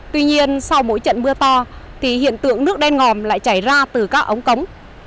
tuy nhiên sau mỗi trận mưa to thì hiện tượng nước đen ngòm lại chảy ra từ các ống cống